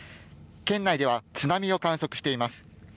県内では津波を観測しています。